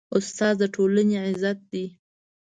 استاد د ټولنې عزت دی.